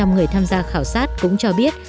năm mươi chín người tham gia khảo sát cũng cho biết